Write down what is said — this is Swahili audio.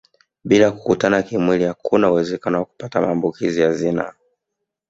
Bila ya kukutana kimwili hakuna uwezekano wa kupata maambukizi ya zinaa